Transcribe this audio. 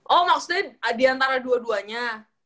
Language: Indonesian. oh maksudnya diantara dua duanya